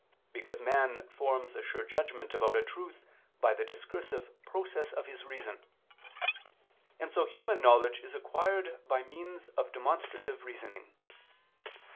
Because man forms a sure judgment about a truth by the discursive process of his reason: and so human knowledge is acquired by means of demonstrative reasoning.